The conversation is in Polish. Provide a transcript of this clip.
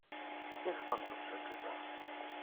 "Niech pan to przeczyta."